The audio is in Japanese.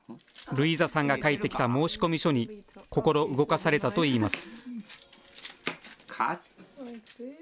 ルイーザさんが書いてきた申込書に心動かされたといいます。